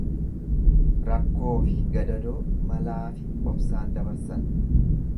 Rakkoofi gadadoo malaafi obsaan dabarsan.